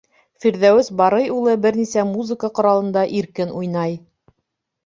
Фирҙәүес Барый улы бер нисә музыка ҡоралында иркен уйнай.